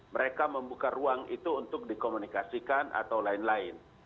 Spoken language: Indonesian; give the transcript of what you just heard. mereka membuka ruang itu untuk dikomunikasikan atau lain lain